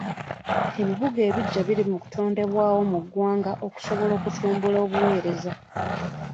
Ebibuga ebiggya biri mu kutondebwawo mu ggwanga okusobola okutumbula obuweereza.